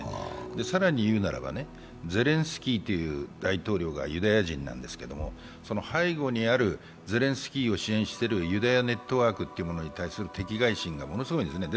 更に言うならば、ゼレンスキーという大統領がユダヤ人なんですけれども、その背後にあるゼレンスキーを支援しているユダヤネットワークに対する敵がい心がものすごいんですね。